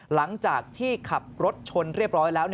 หลังจากที่ขับรถชนเรียบร้อยแล้ว